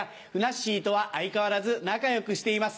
しーとは相変わらず仲良くしています。